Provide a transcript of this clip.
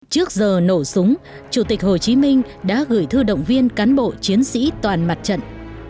trước giờ nổ súng chủ tịch hồ chí minh đã gửi thư động viên cán bộ chiến sĩ toàn mặt trận